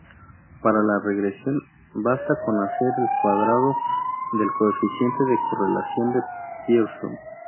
Para la regresión basta con hacer el cuadrado del coeficiente de correlación de Pearson.